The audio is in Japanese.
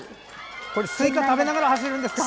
これスイカを食べながら走るんですか？